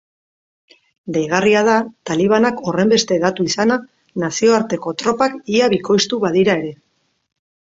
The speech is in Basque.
Deigarria da talibanak horrenbeste hedatu izana nazioarteko tropak ia bikoiztu badira ere.